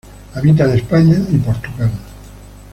Habita en España y Portugal.